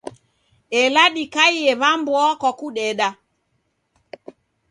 Ela dikaie w'a mboa kwa kudeda.